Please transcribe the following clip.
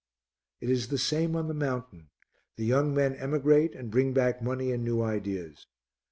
It is the same on the Mountain; the young men emigrate and bring back money and new ideas.